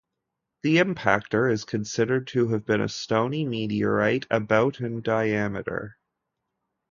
The impactor is considered to have been a stoney meteorite about in diameter.